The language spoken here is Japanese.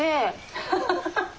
ハハハハ。